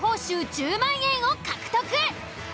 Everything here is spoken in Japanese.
１０万円を獲得。